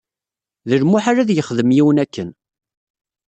D lmuḥal ad yexdem yiwen akken.